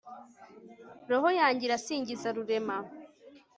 r/ roho yanjye irasingiza rurema